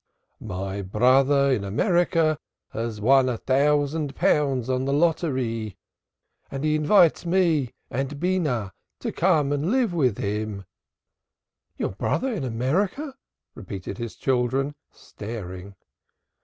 "My brother in America has won a thousand pounds on the lotter_ee_ and he invites me and Beenah to come and live with him." "Your brother in America!" repeated his children staring.